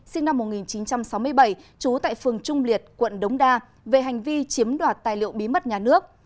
sinh năm một nghìn chín trăm sáu mươi bảy trú tại phường trung liệt quận đống đa về hành vi chiếm đoạt tài liệu bí mật nhà nước